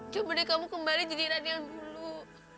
coba deh kamu kembali jadi rani yang dulu